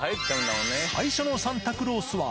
最初のサンタクロースは。